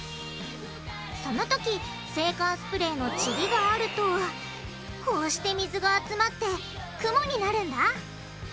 その時制汗スプレーのチリがあるとこうして水が集まって雲になるんだ。